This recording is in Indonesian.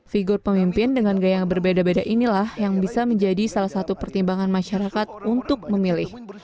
figur pemimpin dengan gaya yang berbeda beda inilah yang bisa menjadi salah satu pertimbangan masyarakat untuk memilih